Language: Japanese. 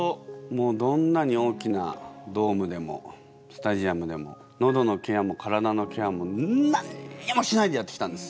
もうどんなに大きなドームでもスタジアムでものどのケアも体のケアも何にもしないでやってきたんです。